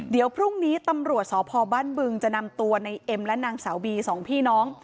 เดี๋ยวพรุ่งนี้ตำรวจสพบ้านบึงจะนำตัวในเอ็มและนางสาวบีสองพี่น้อง